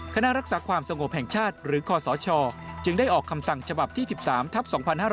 คณะรักษาความสงบแห่งชาติหรือคศจึงได้ออกคำสั่งฉบับที่๑๓ทัพ๒๕๕๙